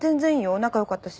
仲良かったし。